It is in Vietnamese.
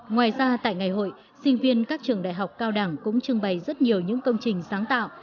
ngoài ra tại ngày hội sinh viên các trường đại học cao đẳng cũng trưng bày rất nhiều những công trình sáng tạo